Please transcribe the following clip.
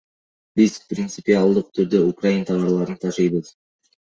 Биз принципиалдык түрдө украин товарларын ташыбайбыз.